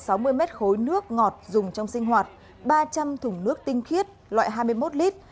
tổng cộng có khoảng sáu mươi m ba nước ngọt dùng trong sinh hoạt ba trăm linh thùng nước tinh khiết loại hai mươi một lit